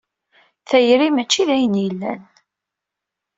Tayri mačči d ayen yellan.